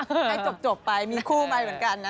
ให้จบไปมีคู่ไปเหมือนกันนะ